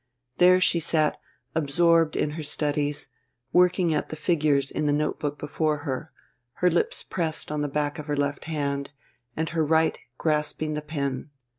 There she sat absorbed in her studies, working at the figures in the notebook before her, her lips pressed on the back of her left hand, and her right grasping the pen.